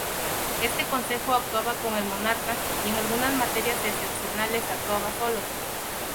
Este consejo actuaba con el monarca y, en algunas materias excepcionales, actuaba solo.